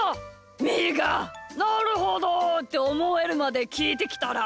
みーが「なるほど！」っておもえるまできいてきたら？